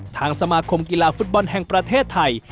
ทางสมาคมกีฬาฟุตบอลแห่งประเทศไทย